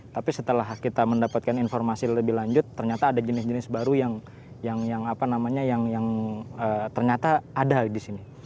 tapi setelah kita mendapatkan informasi lebih lanjut ternyata ada jenis jenis baru yang ternyata ada di sini